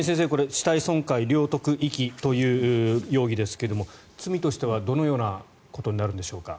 死体損壊、領得、遺棄という容疑ですけども罪としてはどのようなことになるんでしょうか。